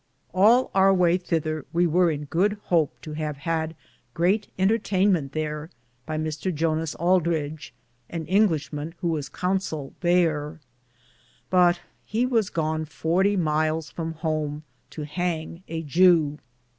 All our way thether we weare in good hoope to have hade greate entertainmente thare by Mr. Jonas Aldredge, an Inglish man who was Consoll thare ; but he was gone 40 myles from home to hange a Jew.